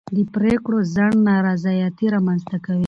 د پرېکړو ځنډ نارضایتي رامنځته کوي